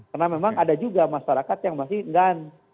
karena memang ada juga masyarakat yang masih enggak